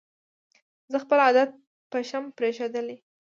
زه خپل عادت پشم پرېښودلې